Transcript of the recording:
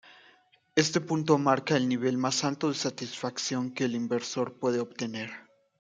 Este punto marca el nivel más alto de satisfacción que el inversor puede obtener.